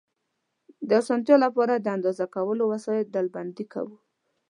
د اسانتیا له پاره، د اندازه کولو وسایل ډلبندي کوو.